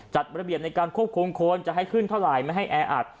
จัดระเบียบในการควบคุมคนจะให้ขึ้นเท่าไหร่ไม่ให้แออัด